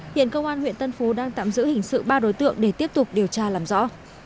hiện công an huyện tân phú đang tạm giữ hình sự ba đối tượng để tiếp tục điều tra làm rõ